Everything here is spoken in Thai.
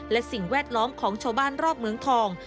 และสิ่งแวดล้อมของชาวบ้านรอบเมืองทอง